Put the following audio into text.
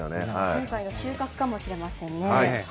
今回の収穫かもしれませんね。